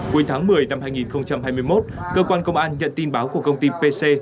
cuối tháng một mươi năm hai nghìn hai mươi một cơ quan công an nhận tin báo của công ty pc